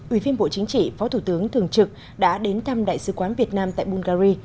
ủy viên bộ chính trị phó thủ tướng thường trực đã đến thăm đại sứ quán việt nam tại bungary